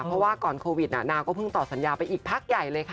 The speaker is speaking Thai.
เพราะว่าก่อนโควิดนางก็เพิ่งต่อสัญญาไปอีกพักใหญ่เลยค่ะ